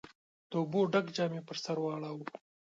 د اوبو ډک جام يې پر سر واړاوه.